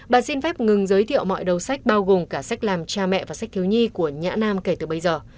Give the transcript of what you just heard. bà xin phép ngừng giới thiệu mọi đầu sách bao gồm cả sách làm cha mẹ và sách thiếu nhi của nhã nam kể từ bây giờ